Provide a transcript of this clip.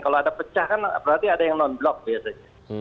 kalau ada pecah kan berarti ada yang non blok biasanya